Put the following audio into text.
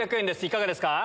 いかがですか？